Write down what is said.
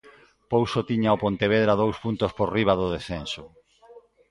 Pouso tiña o Pontevedra dous puntos por riba do descenso.